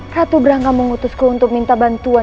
ratu berangka mengutusku untuk minta bantuan